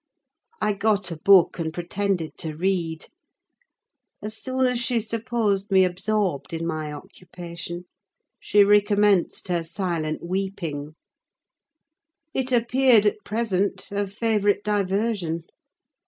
I got a book, and pretended to read. As soon as she supposed me absorbed in my occupation, she recommenced her silent weeping: it appeared, at present, her favourite diversion.